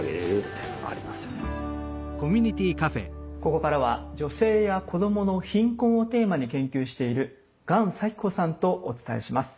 ここからは女性や子どもの貧困をテーマに研究している鳫咲子さんとお伝えします。